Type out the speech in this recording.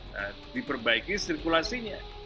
nah diperbaiki sirkulasinya